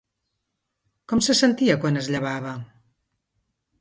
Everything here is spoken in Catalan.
Com se sentia quan es llevava?